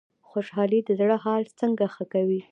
خوشحالي د زړه حال څنګه ښه کوي؟